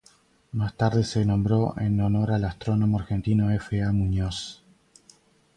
Más tarde se nombró en honor del astrónomo argentino F. A. Muñoz.